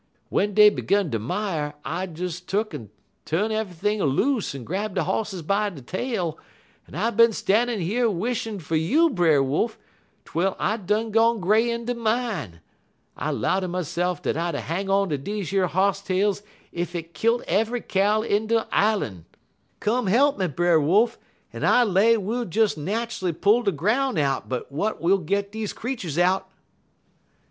W'en dey gun ter mire, I des tuck'n tu'n eve'ything a loose en grab de hosses by de tail, en I bin stan'in' yer wishin' fer you, Brer Wolf, twel I done gone gray in de min'. I 'low ter myse'f dat I'd hang on ter deze yer hoss tails ef it killt eve'y cow in de islan'. Come he'p me, Brer Wolf, en I lay we'll des nat'ally pull de groun' out but w'at we'll git deze creeturs out.'